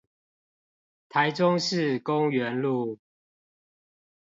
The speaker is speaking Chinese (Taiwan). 台中市公園路